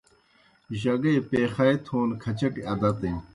جگے پیخائے تھون کھچٹیْ عادتِن۔